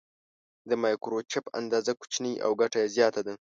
د مایکروچپ اندازه کوچنۍ او ګټه یې زیاته ده.